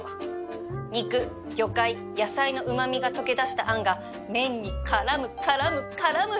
肉魚介野菜のうま味が溶け出したあんが麺に絡む絡む絡む！